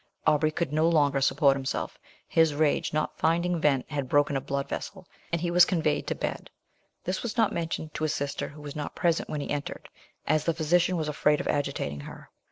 Aubrey could no longer support himself; his rage not finding vent, had broken a blood vessel, and he was conveyed to bed. This was not mentioned to his sister, who was not present when he entered, as the physician was afraid of agitating her.